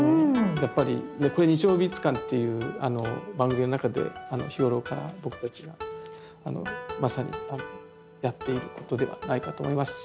やっぱり「日曜美術館」っていう番組の中で日頃から僕たちがまさにやっていることではないかと思いますし。